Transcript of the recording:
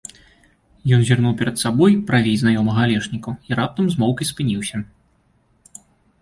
Ён зірнуў перад сабой, правей знаёмага алешніку, і раптам змоўк і спыніўся.